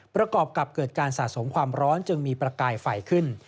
ประกอบกับเกิดการสะสมความร้อนจึงมีประกายไฟขึ้น